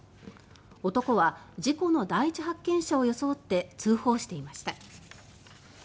男は第一発見者を装って通報をしていました。